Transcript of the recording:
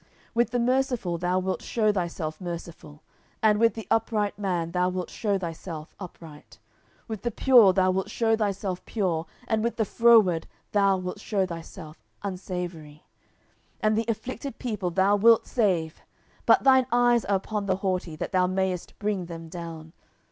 10:022:026 With the merciful thou wilt shew thyself merciful, and with the upright man thou wilt shew thyself upright. 10:022:027 With the pure thou wilt shew thyself pure; and with the froward thou wilt shew thyself unsavoury. 10:022:028 And the afflicted people thou wilt save: but thine eyes are upon the haughty, that thou mayest bring them down.